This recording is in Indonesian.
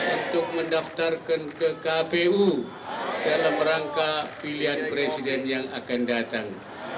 untuk mendaftarkan ke kpu dalam rangka pilihan presiden yang akan datang